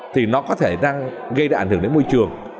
thì nó có thể đang gây ra ảnh hưởng đến môi trường